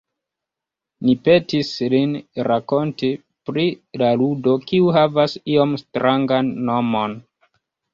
Ni petis lin rakonti pri la ludo, kiu havas iom strangan nomon.